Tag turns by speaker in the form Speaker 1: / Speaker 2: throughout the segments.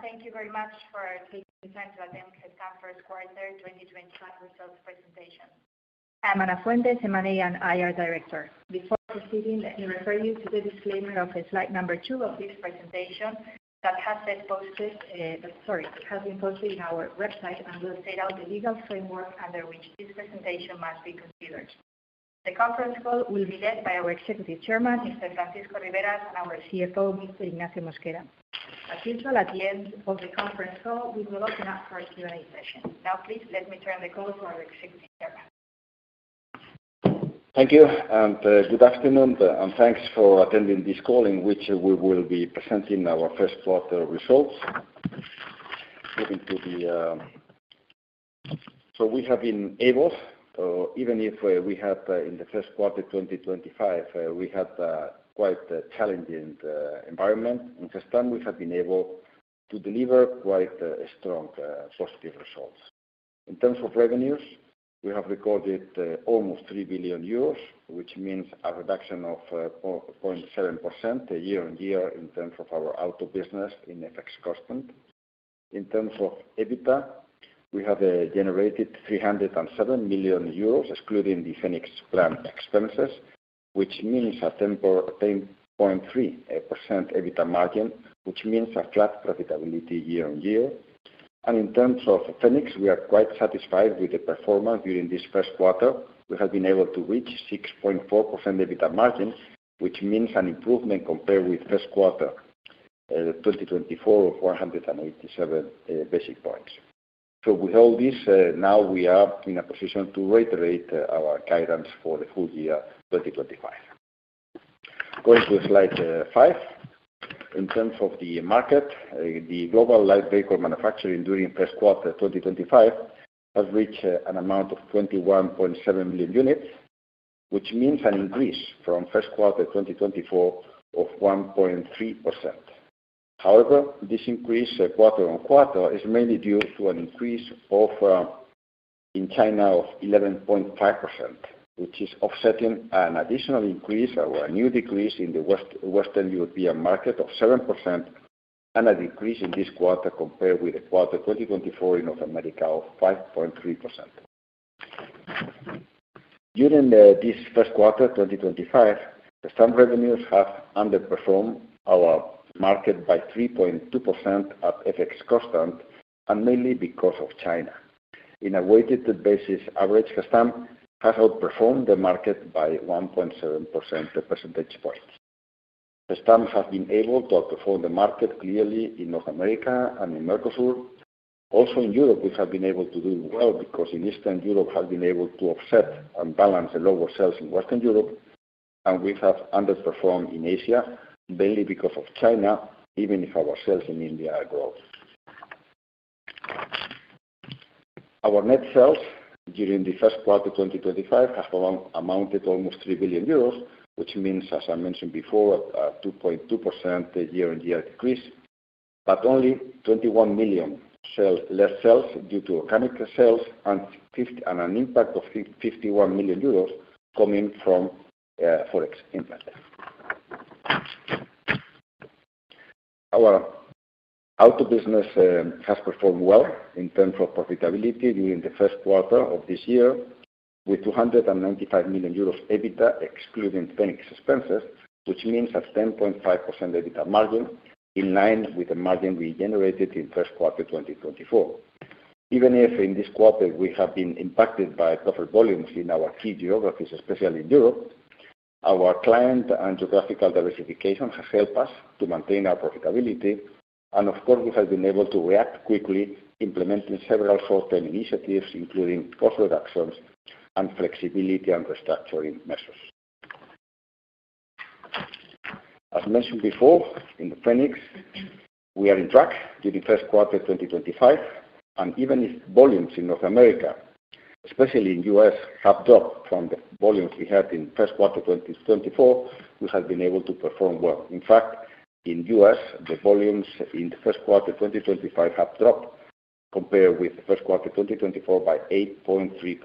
Speaker 1: Thank you very much for taking the time to attend Gestamp's first quarter 2025 results presentation. I'm Ana Fuentes, M&A and IR Director. Before proceeding, let me refer you to the disclaimer of slide number two of this presentation that has been posted, sorry, has been posted on our website and will state out the legal framework under which this presentation must be considered. The conference call will be led by our Executive Chairman, Mr. Francisco Riberas, and our CFO, Mr. Ignacio Mosquera. As usual, at the end of the conference call, we will open up for a Q&A session. Now, please let me turn the call to our Executive Chairman.
Speaker 2: Thank you. Good afternoon, and thanks for attending this call in which we will be presenting our first quarter results. We have been able, even if we had in the first quarter 2025, we had quite a challenging environment. In Gestamp, we have been able to deliver quite strong positive results. In terms of revenues, we have recorded almost 3 billion euros, which means a reduction of 0.7% year on year in terms of our auto business in effects cost spend. In terms of EBITDA, we have generated 307 million euros, excluding the Phoenix Plan expenses, which means a 10.3% EBITDA margin, which means a flat profitability year on year. In terms of Phoenix, we are quite satisfied with the performance during this first quarter. We have been able to reach 6.4% EBITDA margin, which means an improvement compared with first quarter 2024 of 187 basis points. With all this, now we are in a position to reiterate our guidance for the full year 2025. Going to slide five. In terms of the market, the global light vehicle manufacturing during first quarter 2025 has reached an amount of 21.7 million units, which means an increase from first quarter 2024 of 1.3%. However, this increase quarter on quarter is mainly due to an increase in China of 11.5%, which is offsetting an additional increase or a new decrease in the Western European market of 7% and a decrease in this quarter compared with quarter 2024 in North America of 5.3%. During this first quarter 2025, Gestamp revenues have underperformed our market by 3.2% at effects cost, and mainly because of China. In a weighted basis average, Gestamp has outperformed the market by 1.7 percentage points. Gestamp has been able to outperform the market clearly in North America and in Mercosur. Also, in Europe, we have been able to do well because in Eastern Europe we have been able to offset and balance the lower sales in Western Europe, and we have underperformed in Asia mainly because of China, even if our sales in India are growing. Our net sales during the first quarter 2025 have amounted to almost 3 billion euros, which means, as I mentioned before, a 2.2% year on year decrease, but only 21 million less sales due to organic sales and an impact of 51 million euros coming from forex income. Our auto business has performed well in terms of profitability during the first quarter of this year, with 295 million euros EBITDA excluding Phoenix expenses, which means a 10.5% EBITDA margin in line with the margin we generated in first quarter 2024. Even if in this quarter we have been impacted by proper volumes in our key geographies, especially in Europe, our client and geographical diversification has helped us to maintain our profitability. Of course, we have been able to react quickly, implementing several short-term initiatives, including cost reductions and flexibility and restructuring measures. As mentioned before, in Phoenix, we are in track due to first quarter 2025, and even if volumes in North America, especially in the U.S., have dropped from the volumes we had in first quarter 2024, we have been able to perform well. In fact, in the U.S., the volumes in the first quarter 2025 have dropped compared with first quarter 2024 by 8.3%.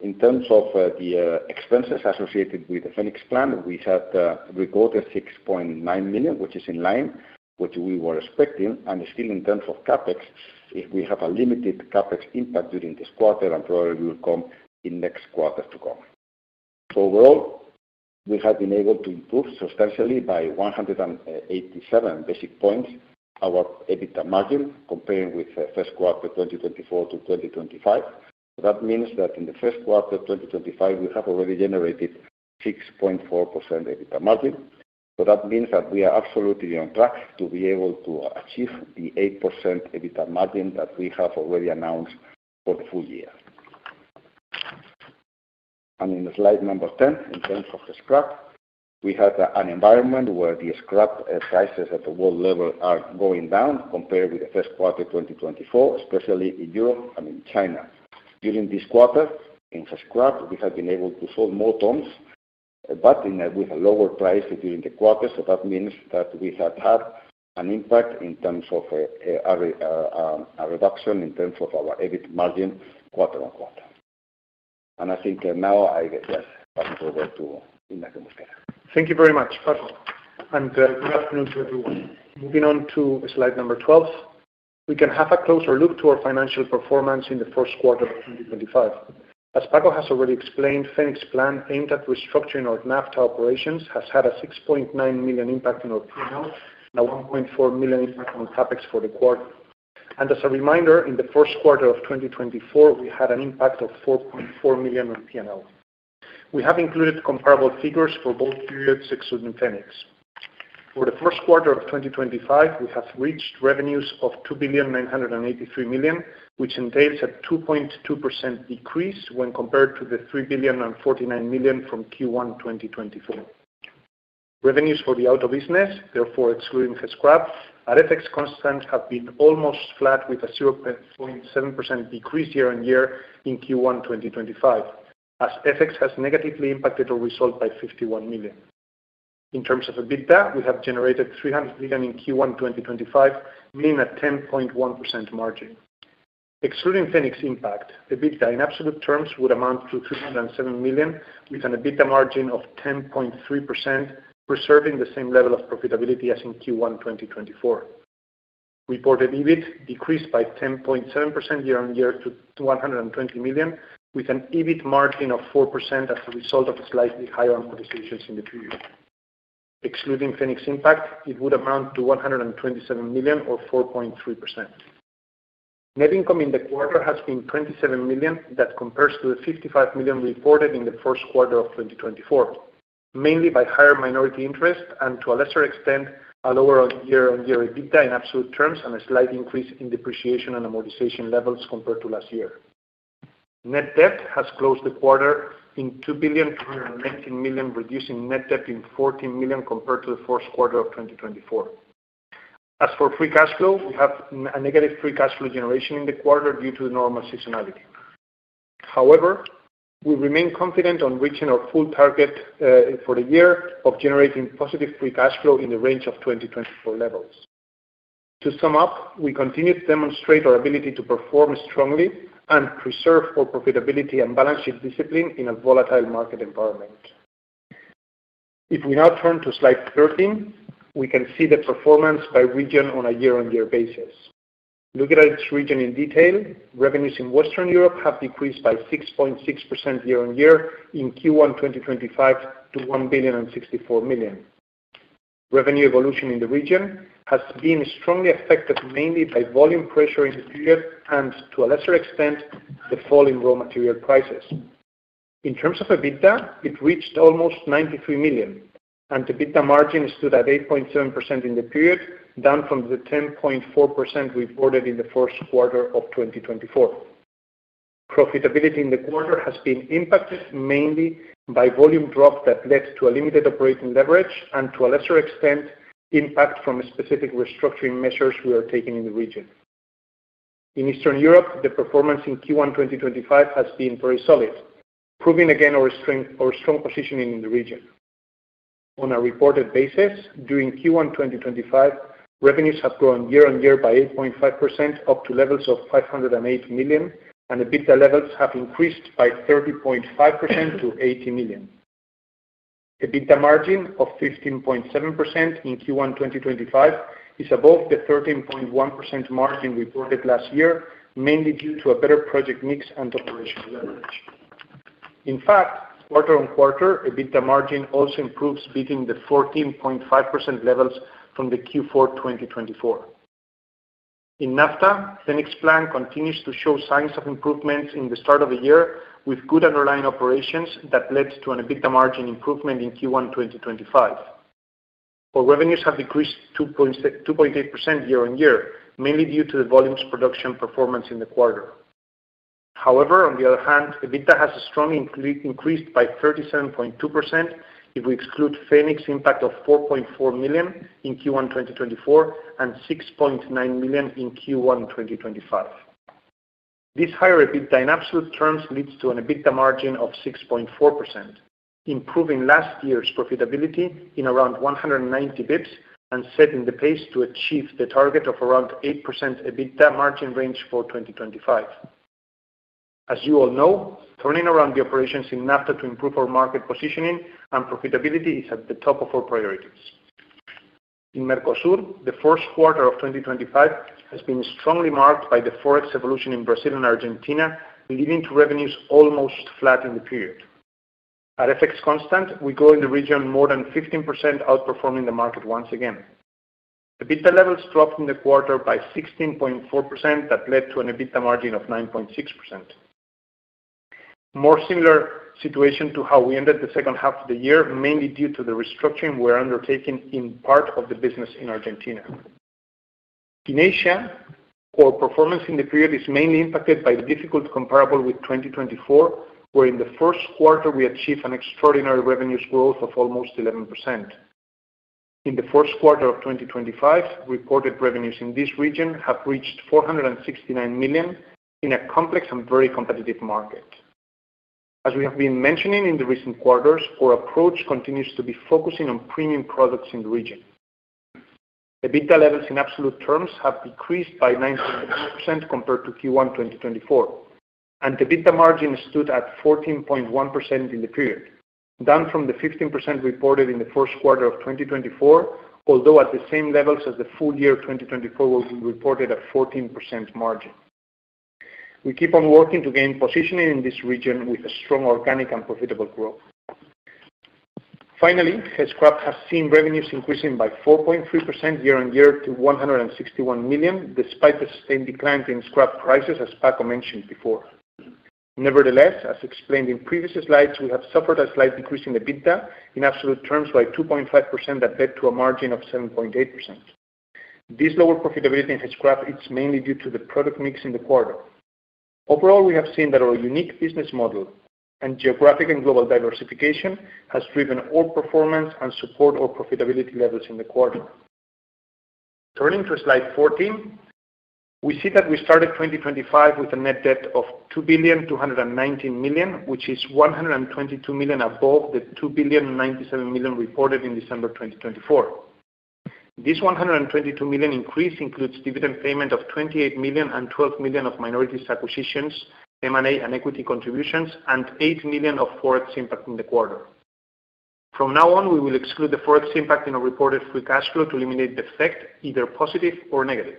Speaker 2: In terms of the expenses associated with the Phoenix Plan, we had recorded 6.9 million, which is in line, which we were expecting, and still in terms of CapEx, we have a limited CapEx impact during this quarter and probably will come in next quarter to come. Overall, we have been able to improve substantially by 187 basis points our EBITDA margin compared with first quarter 2024 to 2025. That means that in the first quarter 2025, we have already generated 6.4% EBITDA margin. That means that we are absolutely on track to be able to achieve the 8% EBITDA margin that we have already announced for the full year. In slide number ten, in terms of Gescrap, we have an environment where the Gescrap prices at the world level are going down compared with the first quarter 2024, especially in Europe and in China. During this quarter, in Gescrap, we have been able to sell more tons, but with a lower price during the quarter. That means that we have had an impact in terms of a reduction in terms of our EBITDA margin quarter on quarter. I think now I guess I'll pass it over to Ignacio Mosquera.
Speaker 3: Thank you very much, Paco. And good afternoon to everyone. Moving on to slide number 12, we can have a closer look to our financial performance in the first quarter of 2025. As Paco has already explained, Phoenix Plan aimed at restructuring our NAFTA operations has had a 6.9 million impact in our P&L and a 1.4 million impact on CapEx for the quarter. And as a reminder, in the first quarter of 2024, we had an impact of 4.4 million on P&L. We have included comparable figures for both periods excluding Phoenix. For the first quarter of 2025, we have reached revenues of 2,983 million, which entails a 2.2% decrease when compared to the 3,049 million from Q1 2024. Revenues for the auto business, therefore excluding Gescrap, our FX costs have been almost flat with a 0.7% decrease year on year in Q1 2025, as FX has negatively impacted our result by 51 million. In terms of EBITDA, we have generated 300 million in Q1 2025, meaning a 10.1% margin. Excluding Phoenix impact, EBITDA in absolute terms would amount to 307 million, with an EBITDA margin of 10.3%, preserving the same level of profitability as in Q1 2024. Reported EBIT decreased by 10.7% year on year to 120 million, with an EBIT margin of 4% as a result of slightly higher amortizations in the period. Excluding Phoenix impact, it would amount to 127 million or 4.3%. Net income in the quarter has been 27 million, that compares to the 55 million reported in the first quarter of 2024, mainly by higher minority interest and, to a lesser extent, a lower year on year EBITDA in absolute terms and a slight increase in depreciation and amortization levels compared to last year. Net debt has closed the quarter in 2,219 million, reducing net debt in 14 million compared to the first quarter of 2024. As for free cash flow, we have a negative free cash flow generation in the quarter due to normal seasonality. However, we remain confident on reaching our full target for the year of generating positive free cash flow in the range of 2024 levels. To sum up, we continue to demonstrate our ability to perform strongly and preserve our profitability and balance sheet discipline in a volatile market environment. If we now turn to slide 13, we can see the performance by region on a year-on-year basis. Looking at each region in detail, revenues in Western Europe have decreased by 6.6% year-on-year in Q1 2025 to 1,064 million. Revenue evolution in the region has been strongly affected mainly by volume pressure in the period and, to a lesser extent, the fall in raw material prices. In terms of EBITDA, it reached almost 93 million, and EBITDA margin stood at 8.7% in the period, down from the 10.4% reported in the first quarter of 2024. Profitability in the quarter has been impacted mainly by volume drop that led to a limited operating leverage and, to a lesser extent, impact from specific restructuring measures we are taking in the region. In Eastern Europe, the performance in Q1 2025 has been very solid, proving again our strong positioning in the region. On a reported basis, during Q1 2025, revenues have grown year on year by 8.5% up to levels of 508 million, and EBITDA levels have increased by 30.5% to 80 million. EBITDA margin of 15.7% in Q1 2025 is above the 13.1% margin reported last year, mainly due to a better project mix and operation leverage. In fact, quarter on quarter, EBITDA margin also improves, beating the 14.5% levels from Q4 2024. In NAFTA, Phoenix Plan continues to show signs of improvements in the start of the year, with good underlying operations that led to an EBITDA margin improvement in Q1 2025. Our revenues have decreased 2.8% year on year, mainly due to the volumes production performance in the quarter. However, on the other hand, EBITDA has strongly increased by 37.2% if we exclude Phoenix impact of 4.4 million in Q1 2024 and 6.9 million in Q1 2025. This higher EBITDA in absolute terms leads to an EBITDA margin of 6.4%, improving last year's profitability in around 190 basis points and setting the pace to achieve the target of around 8% EBITDA margin range for 2025. As you all know, turning around the operations in NAFTA to improve our market positioning and profitability is at the top of our priorities. In Mercosur, the first quarter of 2025 has been strongly marked by the forex evolution in Brazil and Argentina, leading to revenues almost flat in the period. At effects cost, we go in the region more than 15% outperforming the market once again. EBITDA levels dropped in the quarter by 16.4% that led to an EBITDA margin of 9.6%. More similar situation to how we ended the second half of the year, mainly due to the restructuring we are undertaking in part of the business in Argentina. In Asia, our performance in the period is mainly impacted by the difficult comparable with 2024, where in the first quarter we achieved an extraordinary revenues growth of almost 11%. In the first quarter of 2025, reported revenues in this region have reached 469 million in a complex and very competitive market. As we have been mentioning in the recent quarters, our approach continues to be focusing on premium products in the region. EBITDA levels in absolute terms have decreased by 19% compared to Q1 2024, and EBITDA margin stood at 14.1% in the period, down from the 15% reported in the first quarter of 2024, although at the same levels as the full year 2024, where we reported a 14% margin. We keep on working to gain positioning in this region with a strong organic and profitable growth. Finally, Gescrap has seen revenues increasing by 4.3% year on year to 161 million, despite the sustained decline in scrap prices, as Paco mentioned before. Nevertheless, as explained in previous slides, we have suffered a slight decrease in EBITDA in absolute terms by 2.5% that led to a margin of 7.8%. This lower profitability in Gescrap is mainly due to the product mix in the quarter. Overall, we have seen that our unique business model and geographic and global diversification has driven our performance and support our profitability levels in the quarter. Turning to slide 14, we see that we started 2025 with a net debt of 2,219 million, which is 122 million above the 2,097 million reported in December 2024. This 122 million increase includes dividend payment of 28 million and 12 million of minorities acquisitions, M&A and equity contributions, and 8 million of forex impact in the quarter. From now on, we will exclude the forex impact in our reported free cash flow to eliminate the effect, either positive or negative.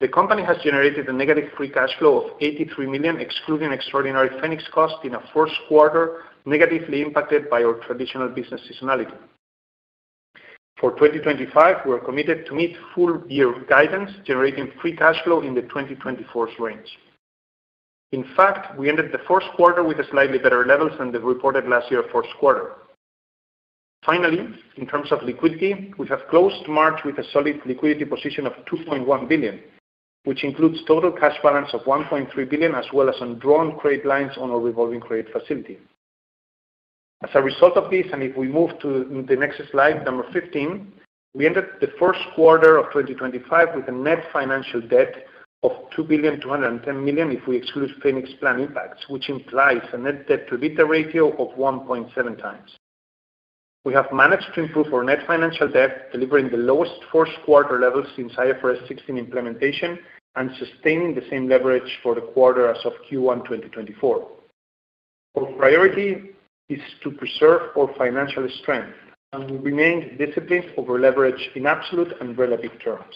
Speaker 3: The company has generated a negative free cash flow of 83 million, excluding extraordinary Phoenix cost in a first quarter negatively impacted by our traditional business seasonality. For 2025, we are committed to meet full year guidance, generating free cash flow in the 2024 range. In fact, we ended the first quarter with slightly better levels than the reported last year's first quarter. Finally, in terms of liquidity, we have closed March with a solid liquidity position of 2.1 billion, which includes total cash balance of 1.3 billion, as well as undrawn credit lines on our revolving credit facility. As a result of this, if we move to the next slide, number 15, we ended the first quarter of 2025 with a net financial debt of 2,210 million if we exclude Phoenix Plan impacts, which implies a net debt to EBITDA ratio of 1.7x. We have managed to improve our net financial debt, delivering the lowest first quarter level since IFRS 16 implementation and sustaining the same leverage for the quarter as of Q1 2024. Our priority is to preserve our financial strength and remain disciplined over leverage in absolute and relative terms.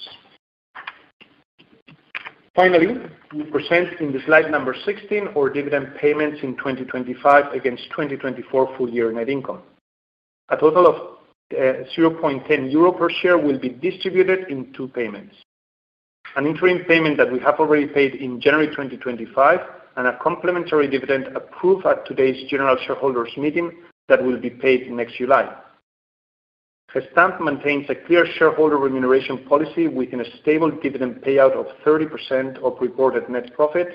Speaker 3: Finally, we present in the slide number 16 our dividend payments in 2025 against 2024 full year net income. A total of 0.10 euro per share will be distributed in two payments: an interim payment that we have already paid in January 2025 and a complementary dividend approved at today's general shareholders meeting that will be paid next July. Gestamp maintains a clear shareholder remuneration policy within a stable dividend payout of 30% of reported net profit,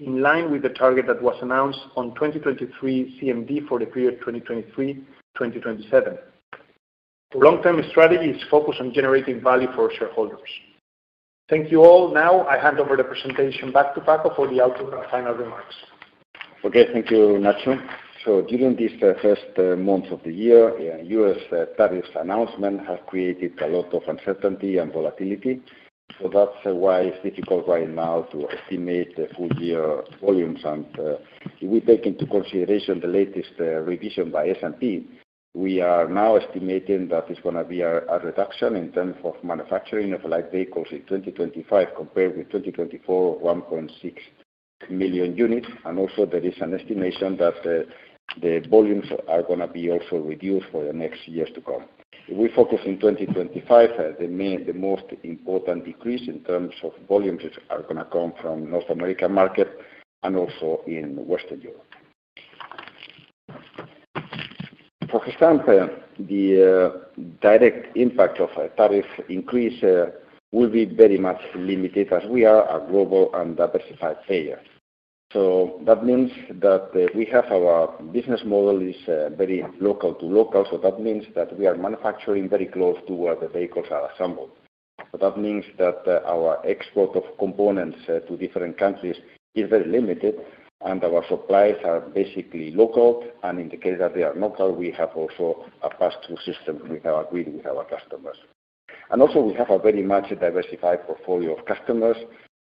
Speaker 3: in line with the target that was announced on 2023 CMD for the period 2023-2027. Our long-term strategy is focused on generating value for shareholders. Thank you all. Now I hand over the presentation back to Paco for the outlook and final remarks.
Speaker 2: Okay, thank you, Nacio. During these first months of the year, U.S. tariff announcements have created a lot of uncertainty and volatility. That is why it is difficult right now to estimate the full year volumes. If we take into consideration the latest revision by S&P, we are now estimating that it is going to be a reduction in terms of manufacturing of light vehicles in 2025 compared with 2024 of 1.6 million units. Also, there is an estimation that the volumes are going to be reduced for the next years to come. If we focus on 2025, the most important decrease in terms of volumes is going to come from the North American market and also in Western Europe. For Gestamp, the direct impact of a tariff increase will be very much limited as we are a global and diversified player. That means that we have our business model is very local to local. That means that we are manufacturing very close to where the vehicles are assembled. That means that our export of components to different countries is very limited, and our supplies are basically local. In the case that they are local, we have also a pass-through system with our customers. Also, we have a very much diversified portfolio of customers.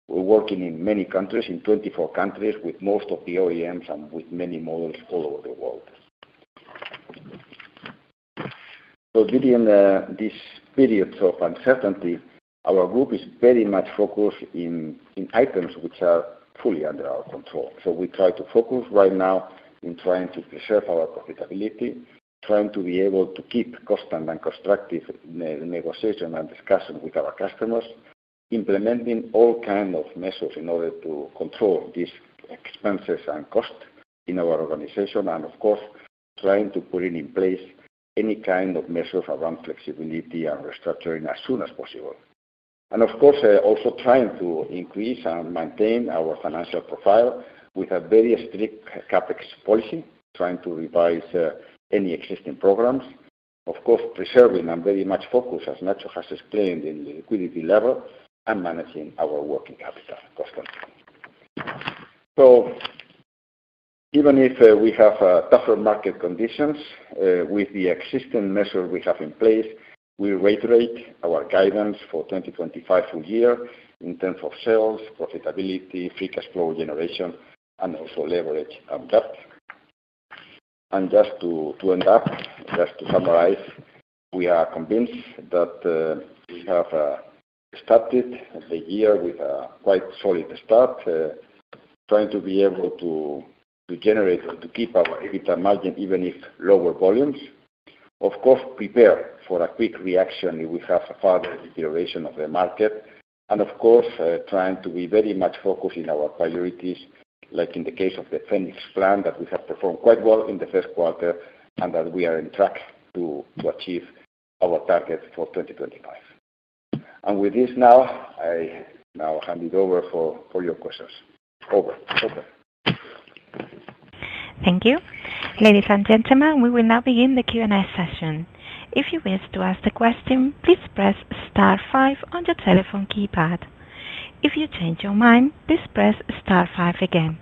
Speaker 2: We are working in many countries, in 24 countries, with most of the OEMs and with many models all over the world. During these periods of uncertainty, our group is very much focused in items which are fully under our control. We try to focus right now in trying to preserve our profitability, trying to be able to keep constant and constructive negotiation and discussion with our customers, implementing all kinds of measures in order to control these expenses and costs in our organization, and of course, trying to put in place any kind of measures around flexibility and restructuring as soon as possible. Of course, also trying to increase and maintain our financial profile with a very strict CapEx policy, trying to revise any existing programs. Of course, preserving and very much focus, as Nacio has explained, in the liquidity level and managing our working capital costs. Even if we have tougher market conditions, with the existing measures we have in place, we reiterate our guidance for 2025 full year in terms of sales, profitability, free cash flow generation, and also leverage and debt. Just to end up, just to summarize, we are convinced that we have started the year with a quite solid start, trying to be able to generate or to keep our EBITDA margin even if lower volumes. Of course, prepare for a quick reaction if we have a further deterioration of the market. Of course, trying to be very much focused in our priorities, like in the case of the Phoenix Plan that we have performed quite well in the first quarter and that we are in track to achieve our target for 2025. With this now, I now hand it over for your questions. Over.
Speaker 4: Thank you. Ladies and gentlemen, we will now begin the Q&A session. If you wish to ask a question, please press star five on your telephone keypad. If you change your mind, please press star five again.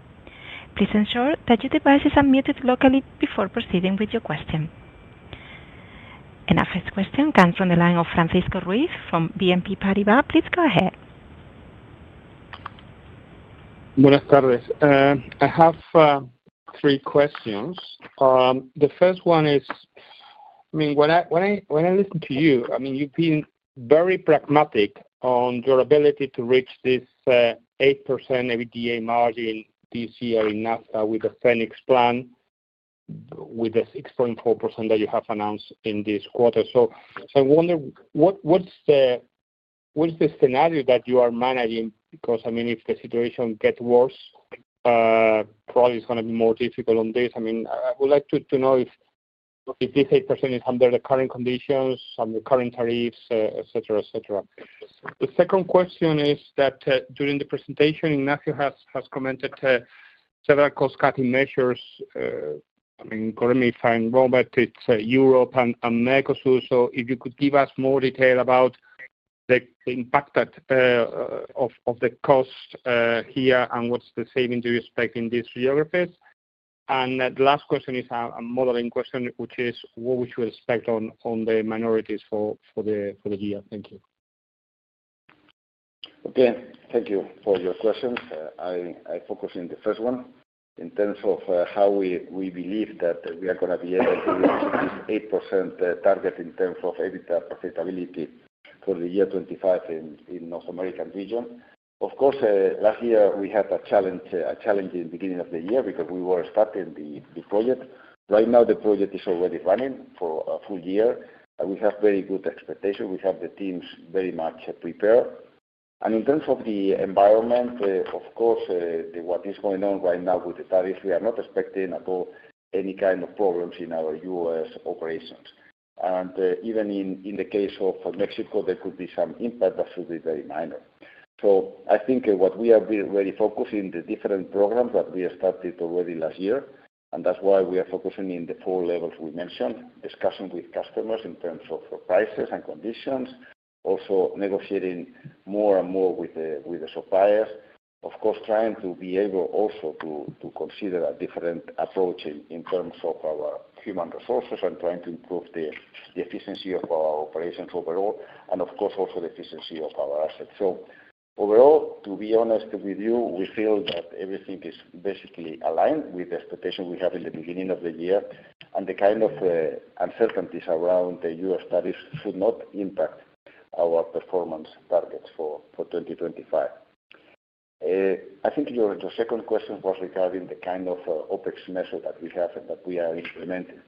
Speaker 4: Please ensure that your device is unmuted locally before proceeding with your question. Our first question comes from the line of Francisco Ruiz from BNP Paribas. Please go ahead.
Speaker 5: Buenas tardes. I have three questions. The first one is, I mean, when I listen to you, I mean, you've been very pragmatic on your ability to reach this 8% EBITDA margin this year in NAFTA with the Phoenix plan, with the 6.4% that you have announced in this quarter. So I wonder what's the scenario that you are managing? Because, I mean, if the situation gets worse, probably it's going to be more difficult on this. I mean, I would like to know if this 8% is under the current conditions and the current tariffs, etc., etc. The second question is that during the presentation, Nacio has commented several cost-cutting measures. I mean, correct me if I'm wrong, but it's Europe and Mercosur. So if you could give us more detail about the impact of the cost here and what's the savings you expect in these geographies. The last question is a modeling question, which is what would you expect on the minorities for the year? Thank you.
Speaker 2: Okay. Thank you for your questions. I focus on the first one in terms of how we believe that we are going to be able to reach this 8% target in terms of EBITDA profitability for the year 2025 in the North American region. Of course, last year we had a challenge in the beginning of the year because we were starting the project. Right now, the project is already running for a full year. We have very good expectations. We have the teams very much prepared. In terms of the environment, of course, what is going on right now with the tariffs, we are not expecting at all any kind of problems in our U.S. operations. Even in the case of Mexico, there could be some impact that should be very minor. I think what we are really focusing on is the different programs that we started already last year. That is why we are focusing on the four levels we mentioned, discussing with customers in terms of prices and conditions, also negotiating more and more with the suppliers. Of course, trying to be able also to consider a different approach in terms of our human resources and trying to improve the efficiency of our operations overall, and of course, also the efficiency of our assets. Overall, to be honest with you, we feel that everything is basically aligned with the expectation we had in the beginning of the year. The kind of uncertainties around the U.S. tariffs should not impact our performance targets for 2025. I think your second question was regarding the kind of OpEx measure that we have and that we are implementing.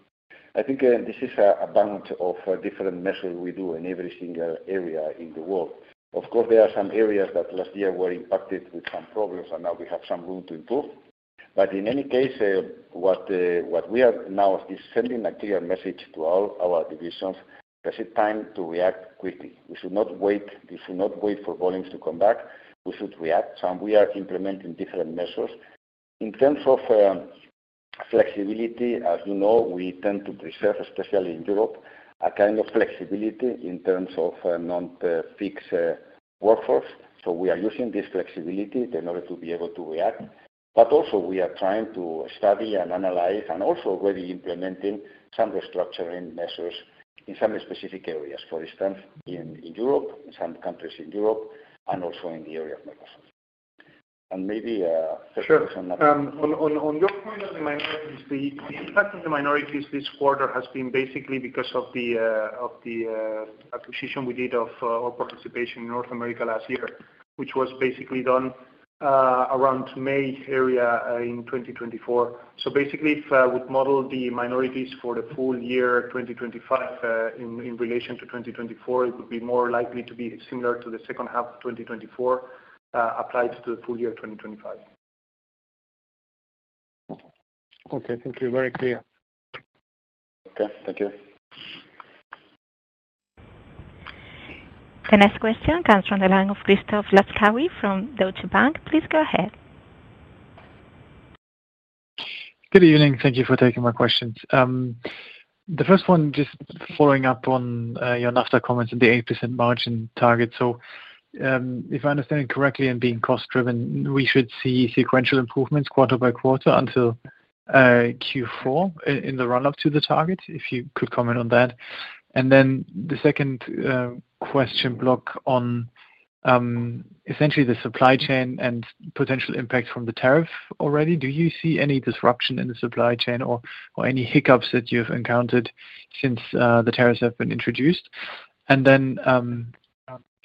Speaker 2: I think this is a balance of different measures we do in every single area in the world. Of course, there are some areas that last year were impacted with some problems, and now we have some room to improve. In any case, what we have now is sending a clear message to all our divisions that it's time to react quickly. We should not wait. We should not wait for volumes to come back. We should react. We are implementing different measures. In terms of flexibility, as you know, we tend to preserve, especially in Europe, a kind of flexibility in terms of non-fixed workforce. We are using this flexibility in order to be able to react. We are trying to study and analyze and also already implementing some restructuring measures in some specific areas, for instance, in Europe, in some countries in Europe, and also in the area of Mercosur. Maybe a third question after that.
Speaker 3: Sure. On your point on the minorities, the impact on the minorities this quarter has been basically because of the acquisition we did of our participation in North America last year, which was basically done around May area in 2024. Basically, if we model the minorities for the full year 2025 in relation to 2024, it would be more likely to be similar to the second half of 2024 applied to the full year 2025.
Speaker 5: Okay. Thank you. Very clear.
Speaker 2: Okay. Thank you.
Speaker 4: The next question comes from the line of Christoph Laskawi from Deutsche Bank. Please go ahead.
Speaker 6: Good evening. Thank you for taking my questions. The first one, just following up on your NAFTA comments on the 8% margin target. If I understand it correctly and being cost-driven, we should see sequential improvements quarter by quarter until Q4 in the run-up to the target, if you could comment on that. The second question block on essentially the supply chain and potential impact from the tariff already. Do you see any disruption in the supply chain or any hiccups that you have encountered since the tariffs have been introduced?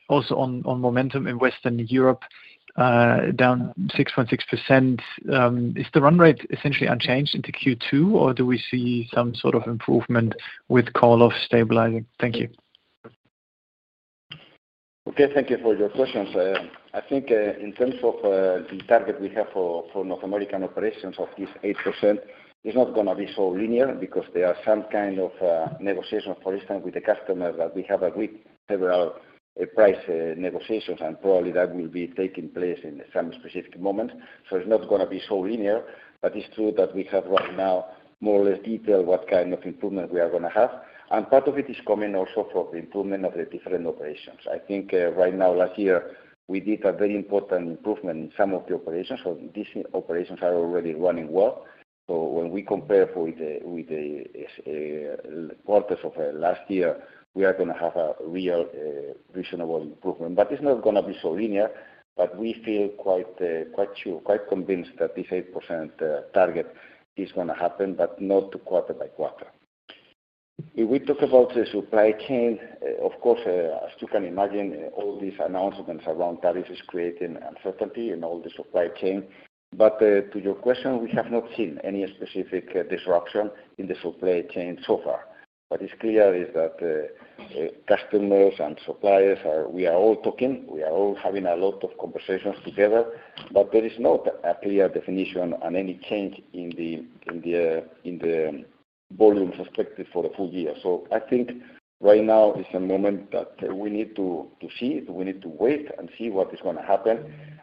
Speaker 6: Also, on momentum in Western Europe, down 6.6%, is the run rate essentially unchanged into Q2, or do we see some sort of improvement with call-off stabilizing? Thank you.
Speaker 2: Okay. Thank you for your questions. I think in terms of the target we have for North American operations of this 8%, it's not going to be so linear because there are some kind of negotiations, for instance, with the customers that we have agreed several price negotiations, and probably that will be taking place in some specific moments. It's not going to be so linear, but it's true that we have right now more or less detailed what kind of improvement we are going to have. Part of it is coming also from the improvement of the different operations. I think right now, last year, we did a very important improvement in some of the operations. These operations are already running well. When we compare with the quarters of last year, we are going to have a real reasonable improvement. It is not going to be so linear, but we feel quite sure, quite convinced that this 8% target is going to happen, but not quarter by quarter. If we talk about the supply chain, of course, as you can imagine, all these announcements around tariffs are creating uncertainty in all the supply chain. To your question, we have not seen any specific disruption in the supply chain so far. What is clear is that customers and suppliers, we are all talking. We are all having a lot of conversations together, but there is not a clear definition on any change in the volumes expected for the full year. I think right now is a moment that we need to see. We need to wait and see what is going to happen.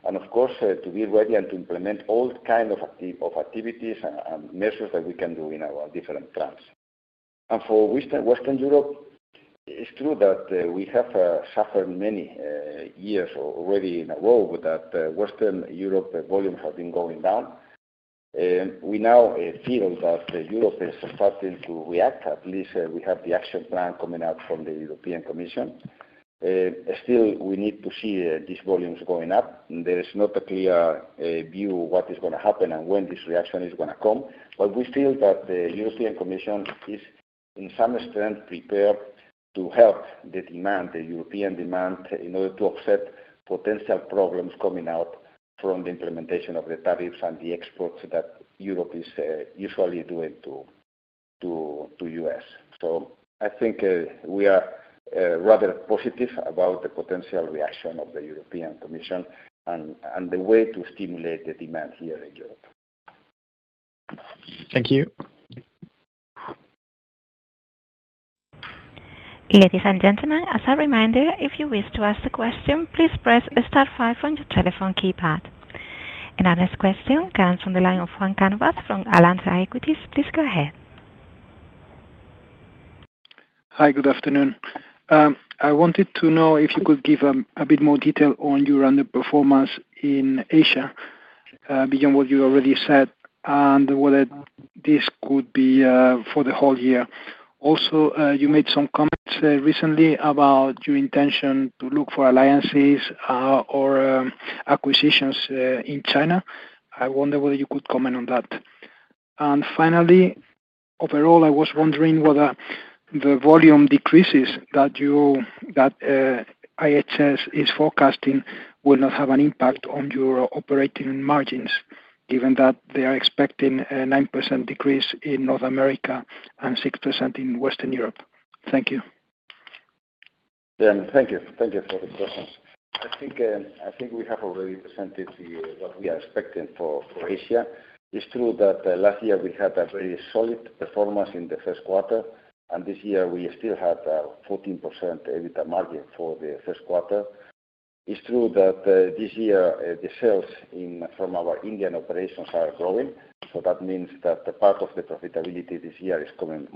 Speaker 2: Of course, to be ready and to implement all kinds of activities and measures that we can do in our different plans. For Western Europe, it's true that we have suffered many years already in a row that Western Europe volumes have been going down. We now feel that Europe is starting to react. At least we have the action plan coming out from the European Commission. Still, we need to see these volumes going up. There is not a clear view of what is going to happen and when this reaction is going to come. We feel that the European Commission is, in some extent, prepared to help the demand, the European demand, in order to offset potential problems coming out from the implementation of the tariffs and the exports that Europe is usually doing to the U.S. I think we are rather positive about the potential reaction of the European Commission and the way to stimulate the demand here in Europe.
Speaker 6: Thank you.
Speaker 4: Ladies and gentlemen, as a reminder, if you wish to ask a question, please press star five on your telephone keypad. Our next question comes from the line of Juan Cánovas from Alantra Equities. Please go ahead.
Speaker 7: Hi, good afternoon. I wanted to know if you could give a bit more detail on your underperformance in Asia, beyond what you already said, and whether this could be for the whole year. Also, you made some comments recently about your intention to look for alliances or acquisitions in China. I wonder whether you could comment on that. Finally, overall, I was wondering whether the volume decreases that IHS is forecasting will not have an impact on your operating margins, given that they are expecting a 9% decrease in North America and 6% in Western Europe. Thank you.
Speaker 2: Thank you. Thank you for the question. I think we have already presented what we are expecting for Asia. It's true that last year we had a very solid performance in the first quarter, and this year we still had a 14% EBITDA margin for the first quarter. It's true that this year the sales from our Indian operations are growing. That means that part of the profitability this year is coming,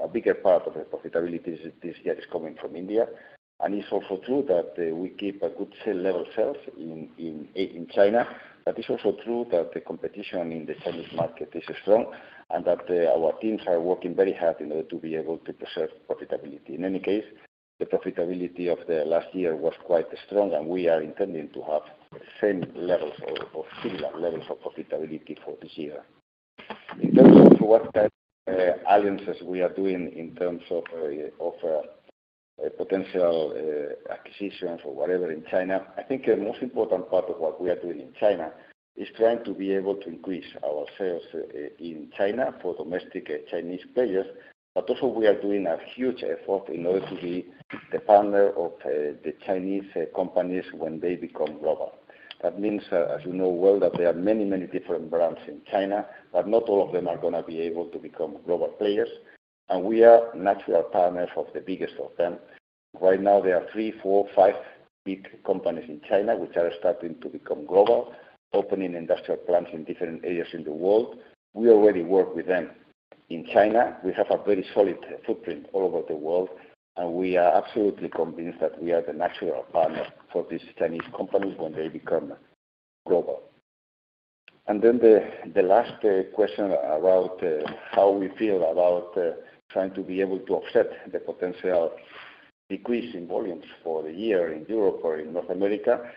Speaker 2: a bigger part of the profitability this year is coming from India. It's also true that we keep good sales in China. It's also true that the competition in the Chinese market is strong and that our teams are working very hard in order to be able to preserve profitability. In any case, the profitability of the last year was quite strong, and we are intending to have the same levels or similar levels of profitability for this year. In terms of what kind of alliances we are doing in terms of potential acquisitions or whatever in China, I think the most important part of what we are doing in China is trying to be able to increase our sales in China for domestic Chinese players. Also, we are doing a huge effort in order to be the partner of the Chinese companies when they become global. That means, as you know well, that there are many, many different brands in China, but not all of them are going to be able to become global players. We are natural partners of the biggest of them. Right now, there are three, four, five big companies in China which are starting to become global, opening industrial plants in different areas in the world. We already work with them in China. We have a very solid footprint all over the world, and we are absolutely convinced that we are the natural partner for these Chinese companies when they become global. The last question about how we feel about trying to be able to offset the potential decrease in volumes for the year in Europe or in North America,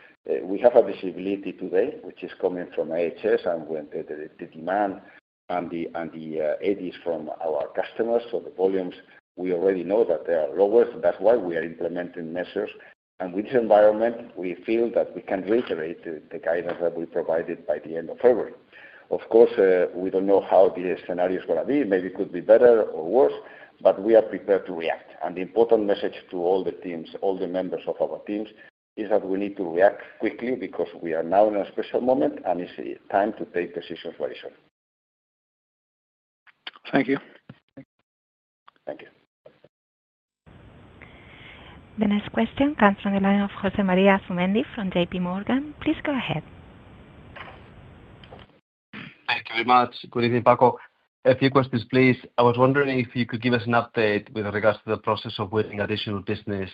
Speaker 2: we have a visibility today, which is coming from IHS and when the demand and the ADs from our customers. The volumes, we already know that they are lower. That is why we are implementing measures. With this environment, we feel that we can reiterate the guidance that we provided by the end of February. Of course, we do not know how the scenario is going to be. Maybe it could be better or worse, but we are prepared to react. The important message to all the teams, all the members of our teams, is that we need to react quickly because we are now in a special moment, and it is time to take decisions very soon.
Speaker 7: Thank you.
Speaker 2: Thank you.
Speaker 4: The next question comes from the line of Jose Azumendi from JP Morgan. Please go ahead.
Speaker 8: Thank you very much, good evening, Paco. A few questions, please. I was wondering if you could give us an update with regards to the process of winning additional business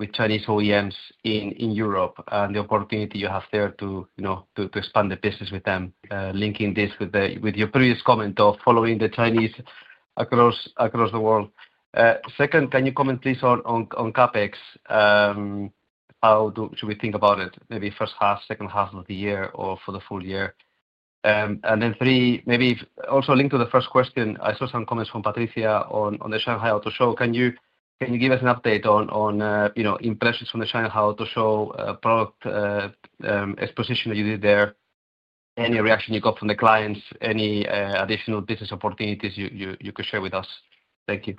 Speaker 8: with Chinese OEMs in Europe and the opportunity you have there to expand the business with them, linking this with your previous comment of following the Chinese across the world. Second, can you comment, please, on CapEx? How should we think about it? Maybe first half, second half of the year, or for the full year. And then three, maybe also linked to the first question, I saw some comments from Patricia on the Shanghai Auto Show. Can you give us an update on impressions from the Shanghai Auto Show product exposition that you did there? Any reaction you got from the clients? Any additional business opportunities you could share with us? Thank you.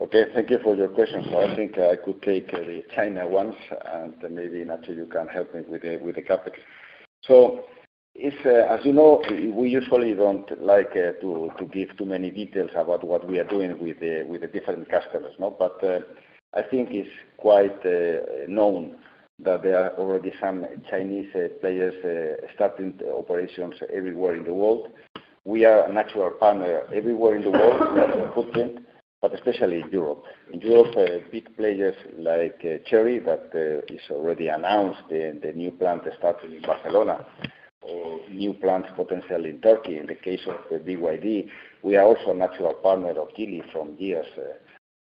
Speaker 2: Okay. Thank you for your questions. I think I could take the China ones, and maybe Nacio can help me with the CapEx. As you know, we usually do not like to give too many details about what we are doing with the different customers. I think it is quite known that there are already some Chinese players starting operations everywhere in the world. We are a natural partner everywhere in the world, we have a footprint, but especially in Europe. In Europe, big players like Chery that has already announced the new plant starting in Barcelona or new plants potentially in Turkey in the case of BYD. We are also a natural partner of Geely from years.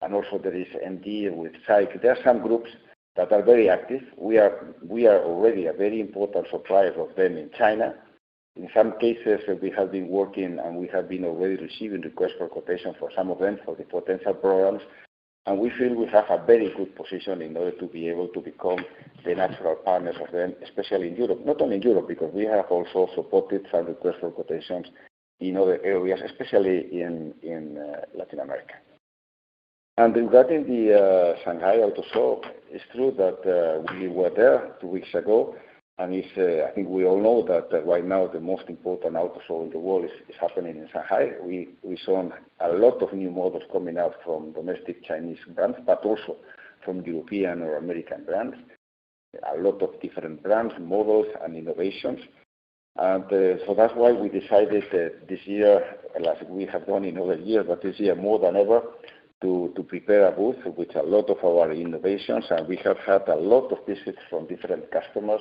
Speaker 2: Also, there is MG with SAIC. There are some groups that are very active. We are already a very important supplier of them in China. In some cases, we have been working, and we have been already receiving requests for quotations for some of them for the potential programs. We feel we have a very good position in order to be able to become the natural partners of them, especially in Europe. Not only in Europe because we have also supported some requests for quotations in other areas, especially in Latin America. Regarding the Shanghai Auto Show, it is true that we were there two weeks ago. I think we all know that right now the most important auto show in the world is happening in Shanghai. We saw a lot of new models coming out from domestic Chinese brands, but also from European or American brands. A lot of different brands, models, and innovations. That is why we decided this year, as we have done in other years, but this year more than ever, to prepare a booth with a lot of our innovations. We have had a lot of visits from different customers.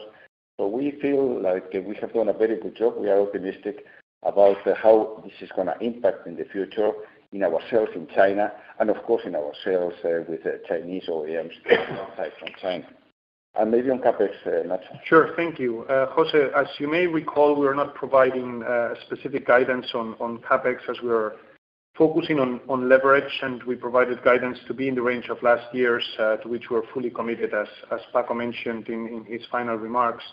Speaker 2: We feel like we have done a very good job. We are optimistic about how this is going to impact in the future in ourselves in China and, of course, in our sales with Chinese OEMs outside from China. Maybe on CapEx, Nacio.
Speaker 3: Sure. Thank you. Jose, as you may recall, we were not providing specific guidance on CapEx as we were focusing on leverage, and we provided guidance to be in the range of last year's to which we were fully committed, as Paco mentioned in his final remarks.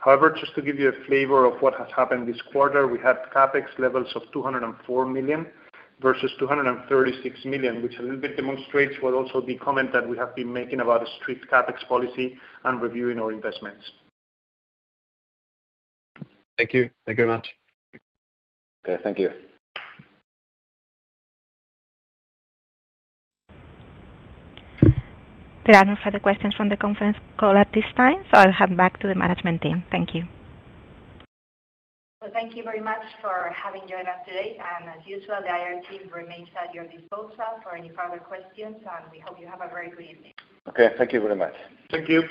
Speaker 3: However, just to give you a flavor of what has happened this quarter, we had CapEx levels of 204 million versus 236 million, which a little bit demonstrates what also the comment that we have been making about a strict CapEx policy and reviewing our investments.
Speaker 8: Thank you. Thank you very much.
Speaker 2: Okay. Thank you.
Speaker 4: There are no further questions from the conference call at this time, so I'll hand back to the management team. Thank you.
Speaker 1: Thank you very much for having joined us today. As usual, the IR team remains at your disposal for any further questions, and we hope you have a very good evening.
Speaker 2: Okay. Thank you very much.
Speaker 3: Thank you.